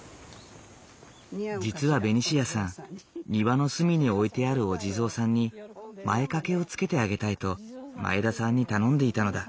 実はベニシアさん庭の隅に置いてあるお地蔵さんに前掛けをつけてあげたいと前田さんに頼んでいたのだ。